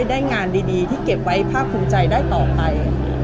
ได้งานดีที่เก็บไว้ภาคภูมิใจได้ต่อไป